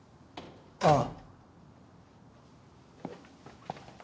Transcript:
ああ。